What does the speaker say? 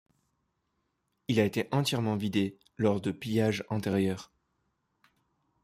Il a été entièrement vidé lors de pillages antérieurs.